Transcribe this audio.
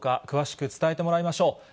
詳しく伝えてもらいましょう。